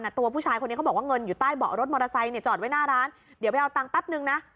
มอเตอร์ไซต์เนี่ยจอดไว้หน้าร้านเดี๋ยวไปเอาตังค์ปั๊บนึงนะ